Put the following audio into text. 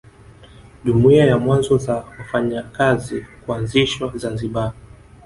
Jumuiya za mwanzo za wafanyakazi kuanzishwa Zanzibar